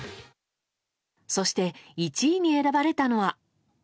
そして１位に選ばれたのは。